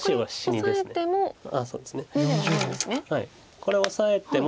これオサえても。